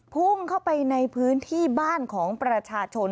พุ่งเข้าไปในพื้นที่บ้านของประชาชน